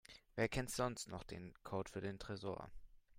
Wer kennt sonst noch den Code für den Tresor?